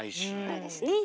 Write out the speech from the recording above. そうですね。